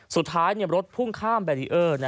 สุดท้ายรถพุ่งข้ามแบรีเออร์